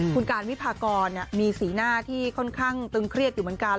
คุณการวิพากรมีสีหน้าที่ค่อนข้างตึงเครียดอยู่เหมือนกัน